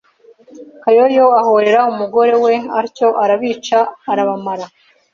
Kayoyo ahorera umugore we atyo arabica arabamara.